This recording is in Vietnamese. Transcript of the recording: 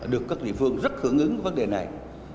được các địa phương rất hưởng ứng vấn đề này